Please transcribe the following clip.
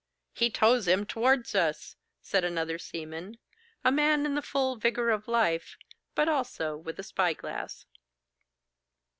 'He tows him towards us!' said another seaman, a man in the full vigour of life, but also with a spy glass.